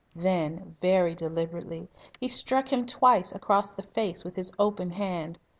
Then, very deliberately, he struck him twice across the face with his open hand.